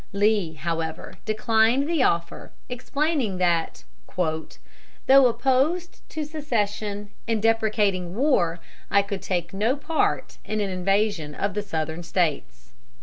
Lee, however, declined the offer, explaining that "though opposed to secession, and deprecating war, I could take no part in an invasion of the Southern States."